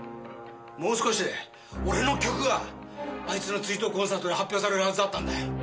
もう少しで俺の曲があいつの追悼コンサートで発表されるはずだったんだよ。